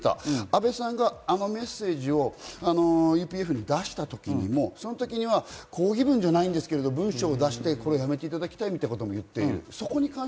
安倍さんがあのメッセージをＵＰＦに出した時にもその時にもう抗議文じゃないですけれども文章をだしてこれもやめていただきたいというのも言っている。